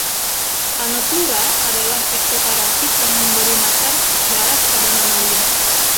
Anoplura adalah ektoparasit yang memberi makan darah pada mamalia.